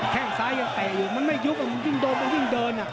แค่งซ้ายยังเตะอยู่มันไม่ยุบมันยิ่งโดนมันยิ่งเดิน